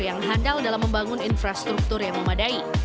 yang handal dalam membangun infrastruktur yang memadai